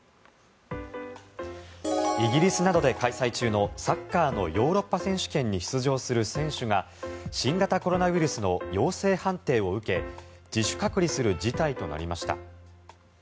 イギリスなどで開催中のサッカーのヨーロッパ選手権に出場する選手が新型コロナウイルスの陽性判定を受け自主隔離する事態となりました。